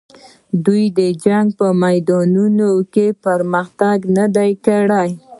دوی د جنګ په میدانونو کې پرمختګ نه دی کړی.